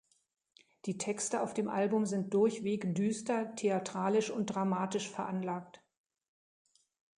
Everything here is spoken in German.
Die Texte auf dem Album sind durchweg düster, theatralisch und dramatisch veranlagt.